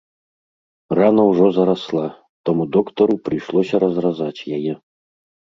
Рана ўжо зарасла, таму доктару прыйшлося разразаць яе.